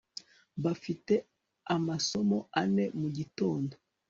bafite amasomo ane mugitondo